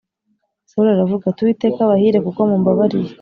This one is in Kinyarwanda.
Sawuli aravuga ati “Uwiteka abahire kuko mumbabariye.